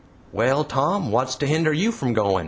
"Well, Tom, wot's to hinder you from goin'?"